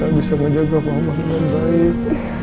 pak gak bisa menjaga mama dengan baik